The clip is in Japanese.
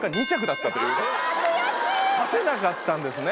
差せなかったんですね。